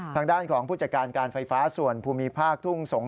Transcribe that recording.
ทางด้านของผู้จัดการการไฟฟ้าส่วนภูมิภาคทุ่งสงศ